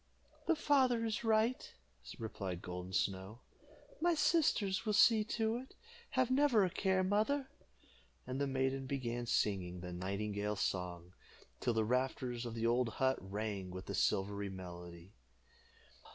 "The father is right," replied Golden Snow. "My sisters will see to it. Have never a care, mother;" and the maiden began singing the nightingale's song, till the rafters of the old hut rang with the silvery melody.